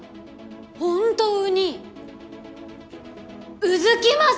本当にうずきます！？